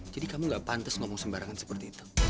jadi kamu gak pantes ngomong sembarangan seperti itu